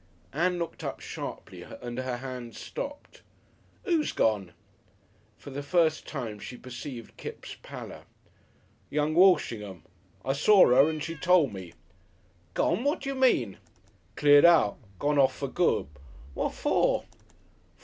Ann looked up sharply and her hands stopped. "Who's gone?" For the first time she perceived Kipps' pallor. "Young Walshingham I saw 'er and she tole me." "Gone? What d'you mean?" "Cleared out! Gone off for good!" "What for?"